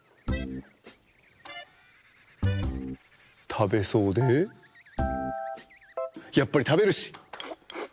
たべそうでやっぱりたべるし。